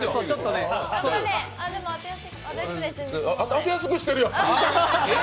当てやすくしてるやん。